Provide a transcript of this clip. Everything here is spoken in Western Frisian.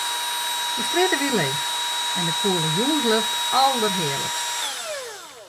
De strjitte wie leech en de koele jûnslucht alderhearlikst.